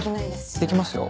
できますよ。